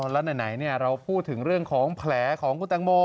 อ๋อแล้วไหนเนี่ยเราพูดถึงเรื่องของแผลของคุณแตงโม